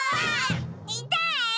いたい！